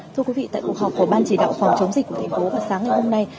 thưa quý vị tại cuộc họp của ban chỉ đạo phòng chống dịch của thành phố vào sáng ngày hôm nay